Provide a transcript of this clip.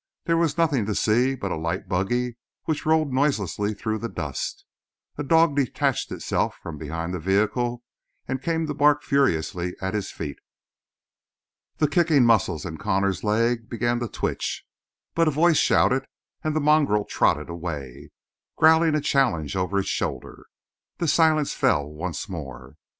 There was nothing to see but a light buggy which rolled noiselessly through the dust. A dog detached itself from behind the vehicle and came to bark furiously at his feet. The kicking muscles in Connor's leg began to twitch, but a voice shouted and the mongrel trotted away, growling a challenge over its shoulder. The silence fell once more.